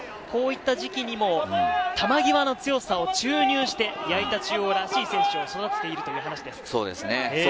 こういった時期にも、球際の強さを注入して、矢板中央らしい選手を育てて行くという話です。